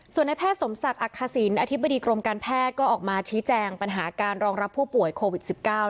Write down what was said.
ส่วนในแพทย์สมศักดิ์อักษิณอธิบดีกรมการแพทย์ก็ออกมาชี้แจงปัญหาการรองรับผู้ป่วยโควิด๑๙